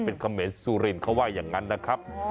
เป็นเขมรสุรินเขาว่าอย่างนั้นนะครับ